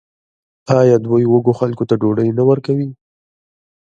آیا دوی وږو خلکو ته ډوډۍ نه ورکوي؟